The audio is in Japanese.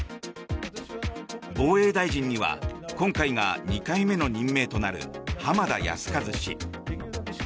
防衛大臣には今回が２回目の任命となる浜田靖一氏。